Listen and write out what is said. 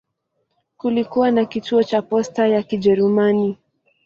Kulikuwa na kituo cha posta ya Kijerumani.